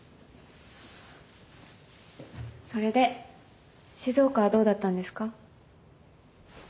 それで静岡はどうだったんですか？